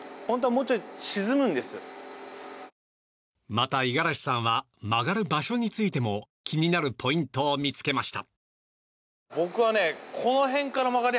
また、五十嵐さんは曲がる場所についても気になるポイントを見つけました。